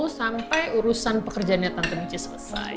sampai urusan pekerjaannya tante ici selesai